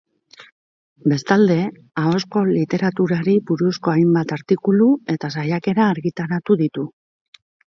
Bestalde, ahozko literaturari buruzko hainbat artikulu, eta saiakera argitaratu ditu.